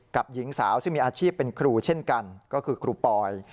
หญิงสาวซึ่งมีอาชีพเป็นครูเช่นกันก็คือครูปอย